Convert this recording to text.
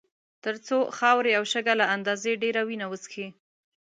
تر څو خاورې او شګه له اندازې ډېره وینه وڅښي.